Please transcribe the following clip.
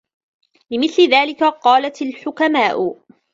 وَلِمِثْلِ ذَلِكَ قَالَتْ الْحُكَمَاءُ